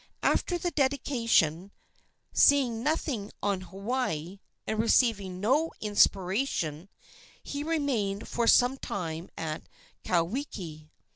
After the dedication, seeing nothing on Hawaii, and receiving no inspiration, he remained for some time at Kauwiki.